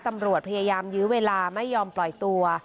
ตำรวจพยายามยื้อเวลาไม่ยอมปล่อยตัว